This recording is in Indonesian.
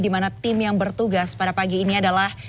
dimana tim yang bertugas pada pagi ini adalah